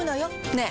ねえ。